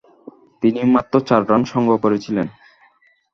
তিনি মাত্র চার রান সংগ্রহ করেছিলেন।